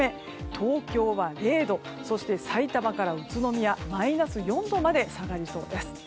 東京は０度さいたまから宇都宮はマイナス４度まで下がりそうです。